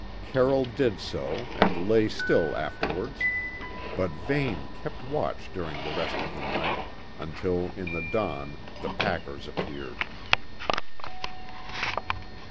Carroll did so and lay still afterwards, but Vane kept watch during the rest of the night, until in the dawn the packers appeared.